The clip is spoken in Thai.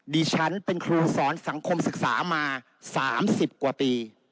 ดิฉันเป็นครูสอนสังคมศึกษามา๓๐กว่าปี